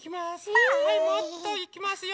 はいもっといきますよ。